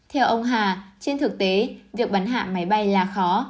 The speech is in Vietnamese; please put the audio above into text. theo ông hà trên thực tế việc bắn hạ máy bay là khó